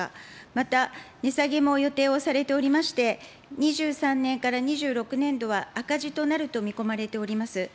また、値下げも予定をされておりまして、２３年から２６年度は赤字となると見込まれております。